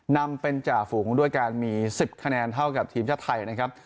นำเป็นจ่าฝูงด้วยการมี๑๐คะแนนเท่ากับทีมชาติไทยนะครับ